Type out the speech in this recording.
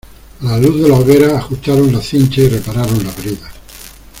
a la luz de la hoguera ajustaron las cinchas y repararon las bridas.